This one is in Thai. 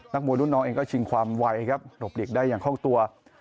มวยรุ่นน้องเองก็ชิงความไวครับหลบหลีกได้อย่างคล่องตัว